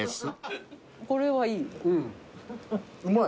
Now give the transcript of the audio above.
これはいい。